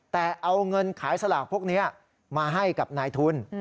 แต่เอาเงินขายสลากพวกนี้มาให้กับนายทุน